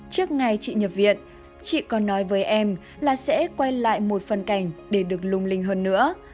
trước ngày chị nhập viện chị còn nói với em là sẽ quay lại một phần cảnh để được lung linh hơn nữa